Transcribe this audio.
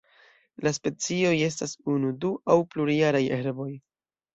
La specioj estas unu, du aŭ plurjaraj herboj.